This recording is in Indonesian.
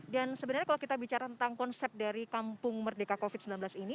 dan sebenarnya kalau kita bicara tentang konsep dari kampung merdeka covid sembilan belas ini